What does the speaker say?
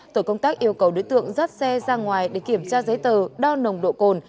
tổ công tác yêu cầu đối tượng dắt xe ra ngoài để kiểm tra giấy tờ đo nồng độ cồn